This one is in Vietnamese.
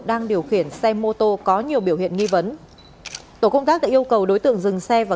đang điều khiển xe mô tô có nhiều biểu hiện nghi vấn tổ công tác đã yêu cầu đối tượng dừng xe và